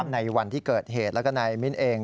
ในวันที่เกิดเหตุแล้วก็นายมิ้นเอง